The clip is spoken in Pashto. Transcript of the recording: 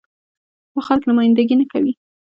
دا خلک نماينده ګي نه کوي.